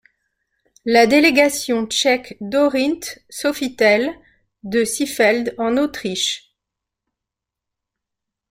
La délégation tchèque Dorint Sofitel de Seefeld en Autriche.